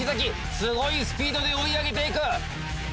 すごいスピードで追い上げていく。